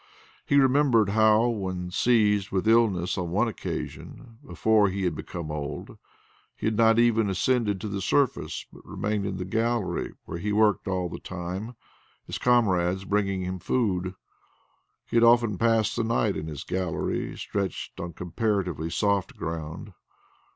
He remembered how when seized with illness on one occasion, before he had become old, he had not even ascended to the surface, but remained in the gallery where he worked all the time, his comrades bringing him food. He had often passed the night in his gallery stretched on comparatively soft ground.